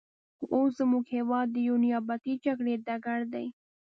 خو اوس زموږ هېواد د یوې نیابتي جګړې ډګر دی.